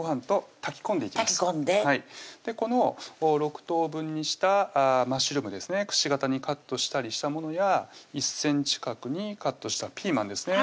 炊き込んでこの６等分にしたマッシュルームですね櫛形にカットしたりしたものや１ｃｍ角にカットしたピーマンですね